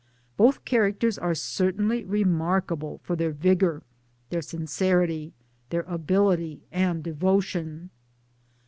Both characters are certainly remarkable for their vigour, their sincerity, PERSONALITIES 219 their ability and devotion.